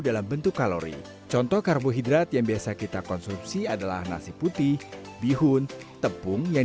dalam bentuk kalori contoh karbohidrat yang biasa kita konsumsi adalah nasi putih bihun tepung yang